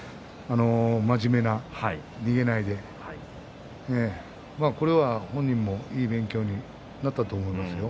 真面目な、逃げないこれは本人にとってもいい勉強になったと思います。